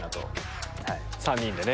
３人でね。